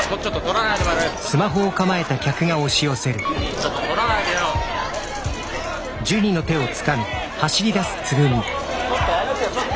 ちょっと撮らないでちょっと！